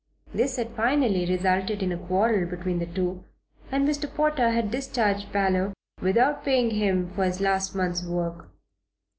This had finally resulted in a quarrel between the two, and Mr. Potter had discharged Parloe without paying him for his last month's work.